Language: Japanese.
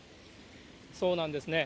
そうなんですね。